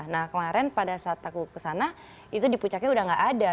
nah kemarin pada saat aku kesana itu di puncaknya udah gak ada